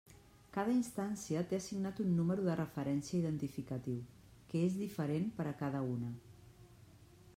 Cada instància té assignat un número de referència identificatiu, que és diferent per a cada una.